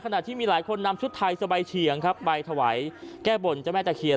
ขณะที่มีหลายคนนำชุดไทยสบายเฉียงครับไปถวายแก้บนเจ้าแม่ตะเคียน